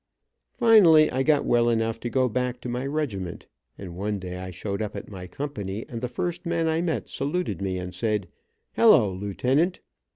Finally I got well enough to go back to my regiment, and one day I showed up at my company, and the first man I met saluted me and said, "Hello, Lieutenant."